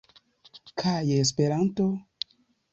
Kaj Esperanto?